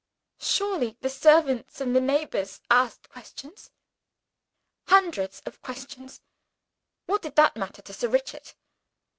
"Surely, the servants and the neighbors asked questions?" "Hundreds of questions! What did that matter to Sir Richard?